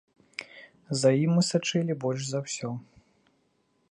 За ім мы сачылі больш за ўсё.